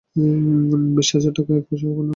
বিশ হাজার টাকার এক পয়সা কম হবে না।